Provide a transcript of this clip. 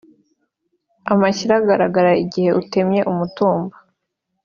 amashyira agaragara igihe utemye umutumba